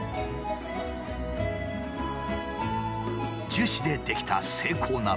樹脂で出来た精巧な仏像。